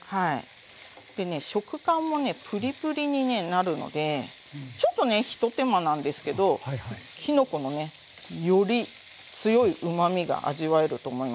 でね食感もねプリプリにねなるのでちょっとねひと手間なんですけどきのこのねより強いうまみが味わえると思いますよ。